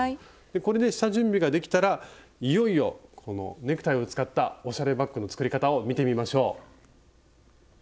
これで下準備ができたらいよいよこのネクタイを使ったおしゃれバッグの作り方を見てみましょう。